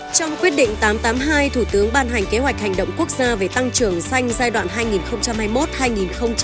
trong quyết định tám trăm tám mươi hai thủ tướng ban hành kế hoạch hành động quốc gia về tăng trưởng xanh giai đoạn hai nghìn hai mươi một hai nghìn ba mươi